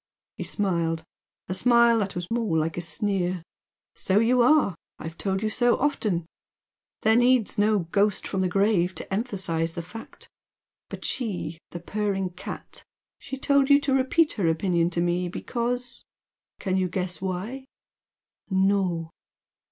He smiled a smile that was more like a sneer. "So you are! I've told you so, often. 'There needs no ghost come from the grave' to emphasise the fact. But she the purring cat! she told you to repeat her opinion to me, because can you guess why?" "No!"